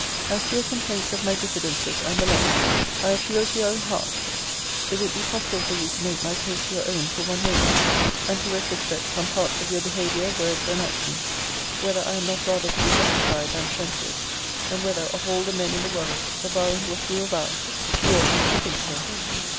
'As to your complaints of my diffidences, and the like, I appeal to your own heart, if it be possible for you to make my case your own for one moment, and to retrospect some parts of your behaviour, words, and actions, whether I am not rather to be justified than censured: and whether, of all the men in the world, avowing what you avow, you ought not to think so.